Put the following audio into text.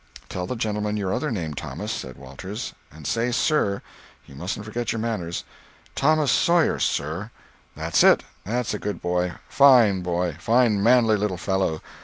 "Tell the gentleman your other name, Thomas," said Walters, "and say sir. You mustn't forget your manners." "Thomas Sawyer—sir." "That's it! That's a good boy. Fine boy. Fine, manly little fellow.